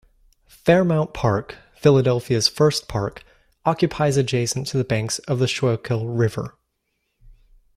Fairmount Park, Philadelphia's first park, occupies adjacent to the banks of the Schuylkill River.